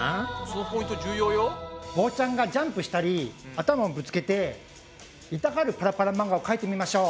棒ちゃんがジャンプしたり頭をぶつけて痛がるパラパラ漫画をかいてみましょう！